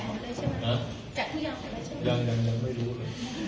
อื้อยังไม่รู้เลย